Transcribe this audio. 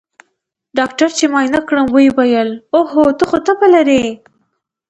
ډاکتر چې معاينه کړم ويې ويل اوهو ته خو تبه لرې.